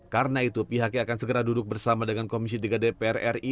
karena itu pihaknya akan segera duduk bersama dengan komisi tiga d prri